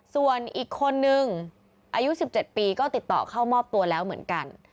ส่วนอีกคนนึงอายุ๑๗ปีก็ติดต่อเข้ามอบตัวแล้วเหมือนกัน